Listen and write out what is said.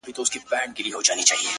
• نن مي بيا پنـځه چيلمه ووهـل؛